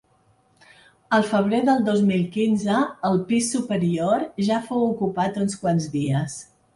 El febrer del dos mil quinze, el pis superior ja fou ocupat uns quants dies.